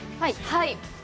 はい。